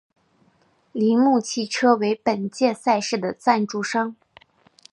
铃木汽车为本届赛事的赞助商。